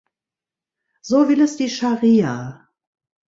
So will es die Scharia.